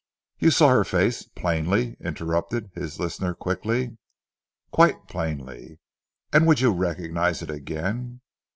"You saw her face plainly?" interrupted his listener quickly. "Quite plainly." "And would you recognize it again?"